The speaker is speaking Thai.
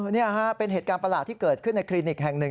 นี่ฮะเป็นเหตุการณ์ประหลาดที่เกิดขึ้นในคลินิกแห่งหนึ่ง